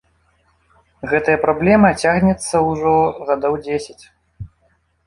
Гэта праблема цягнецца ўжо гадоў дзесяць.